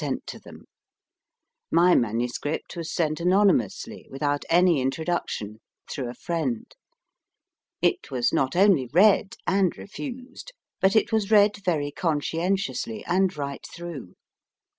sent to them. My MS. was sent anonymously, without any introduction, through a friend. It was not only read and refused but it was read very conscientiously and right through.